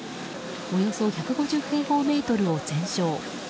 およそ１５０平方メートルを全焼。